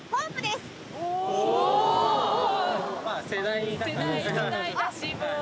世代世代だしもう